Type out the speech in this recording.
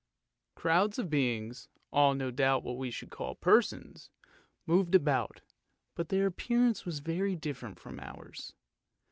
Crowds of beings, all no doubt what we should call persons, moved about; but their appearance was very different from ours.